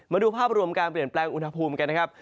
มาดูภาพรวมการเปลี่ยนแปลงอุณหภูมิกันนะครับ